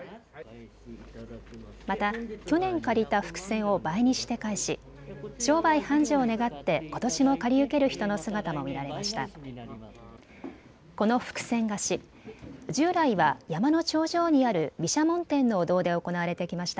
また去年、借りた福銭を倍にして返し、商売繁盛を願ってことしも借り受ける人の姿も見られました。